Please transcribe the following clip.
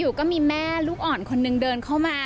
ก็มีแม่ลูกอ่อนคนนึงเดินเข้ามา